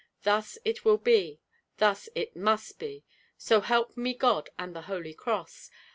Thus it will be, thus it must be. So help me God and the holy cross!